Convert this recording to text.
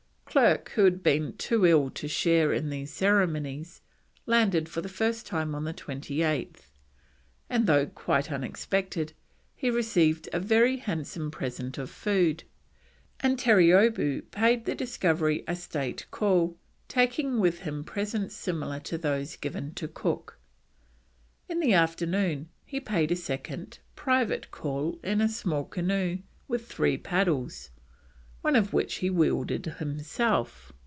Clerke, who had been too ill to share in these ceremonies, landed for the first time on the 28th, and, though quite unexpected, he received a very handsome present of food, and Terreeoboo paid the Discovery a state call, taking with him presents similar to those given to Cook. In the afternoon he paid a second (private) call in a small canoe with three paddles, one of which he wielded himself.